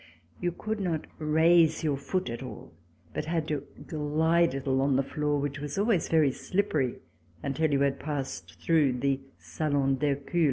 You could not raise your foot at all, but had to glide it along the floor, which was always very slippery, until you had passed through the Salon d'Hercule.